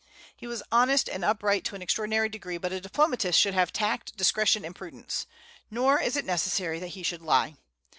He was honest and upright to an extraordinary degree; but a diplomatist should have tact, discretion, and prudence. Nor is it necessary that he should lie.